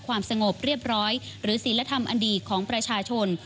ความสงบเรียบร้อยหรือศิลธรรมอันดีของประชาชน